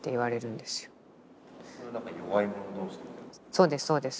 そうですそうです。